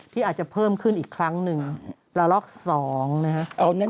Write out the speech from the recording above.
ที่อาจจะเพิ่มขึ้นอีกครั้งหนึ่งละลอก๒นะฮะ